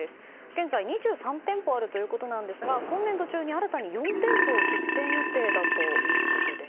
現在２３店舗あるということですが今年度中に新たに４店舗を出店予定だということです。